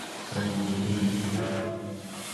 তবে যদি দাগ হয়ে যায় তাহলে গুঁড়া সাবান দিয়ে ধুয়ে নিতে হবে।